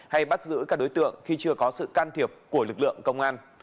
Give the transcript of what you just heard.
hay bắt giữ các đối tượng khi chưa có sự can thiệp của lực lượng công an